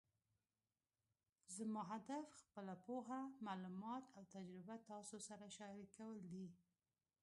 زما هدف خپله پوهه، معلومات او تجربه تاسو سره شریکول دي